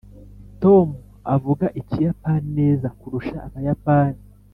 tom avuga ikiyapani neza kurusha abayapani.